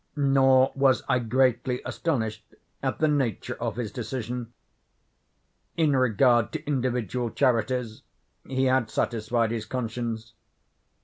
Nor was I greatly astonished at the nature of his decision. In regard to individual charities he had satisfied his conscience.